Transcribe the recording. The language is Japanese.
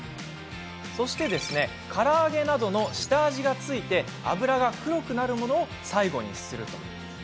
そして、から揚げなどの下味が付いて油が黒くなるものを最後にする。